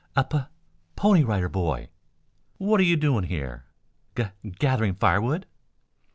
"A Pu Pony Rider Boy." "What are you doing here?" "Ga gathering firewood."